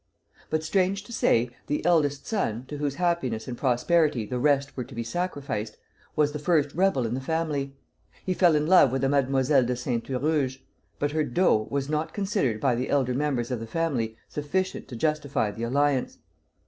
But strange to say, the eldest son, to whose happiness and prosperity the rest were to be sacrificed, was the first rebel in the family. He fell in love with a Mademoiselle de Saint Huruge; but her dot was not considered by the elder members of the family sufficient to justify the alliance.